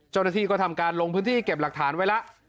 เจ้าหน้าที่ก็ทำการลงพื้นที่เก็บหลักฐานไว้แล้ว